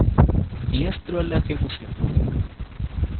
Diestro en la ejecución.